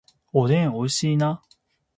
おでん美味しいな